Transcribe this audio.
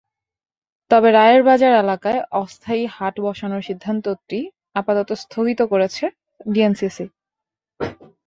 তবে রায়েরবাজার এলাকায় অস্থায়ী হাট বসানোর সিদ্ধান্তটি আপাতত স্থগিত করেছে ডিএনসিসি।